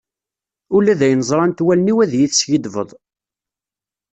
Ula d ayen ẓrant wallen-iw ad iyi-teskiddbeḍ.